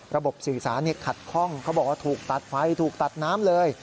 สื่อสารขัดข้องเขาบอกว่าถูกตัดไฟถูกตัดน้ำเลย